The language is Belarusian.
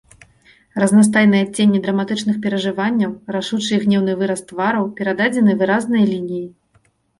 Разнастайныя адценні драматычных перажыванняў, рашучы і гнеўны выраз твараў перададзены выразнай лініяй.